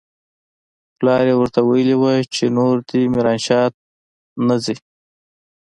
پلار يې ورته ويلي و چې نور دې ميرانشاه نه ځي.